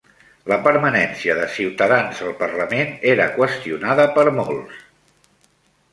La permanència de Ciutadans al Parlament era qüestionada per molts.